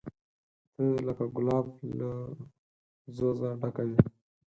ته لکه ګلاب له ځوزه ډکه وې